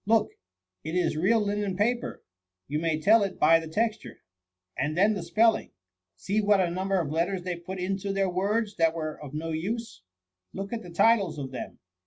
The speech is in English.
Look, it is real linen paper ; you may tell it by the texture ; and then the spell ing, see what a number of letters they put into ISO THE MUMUYf their words that were of no use. Look at the titles of them.